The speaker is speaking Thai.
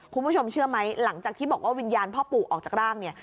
คุณผู้ชมเชื่อไหมหลังจากที่บอกว่าวิญญาณพ่อปู่ออกจากร่างเนี่ย